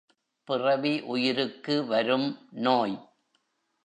பிறவி உயிருக்கு வரும் நோய்.